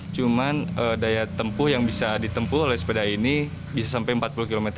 cuman daya tempuh yang bisa ditempuh oleh sepeda ini bisa sampai empat puluh km